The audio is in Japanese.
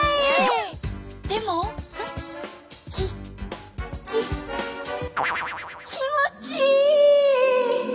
きき気持ちいい！